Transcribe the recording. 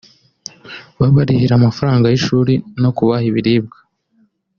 babarihira amafaranga y’ishuri no kubaha ibiribwa